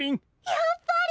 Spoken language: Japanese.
やっぱり。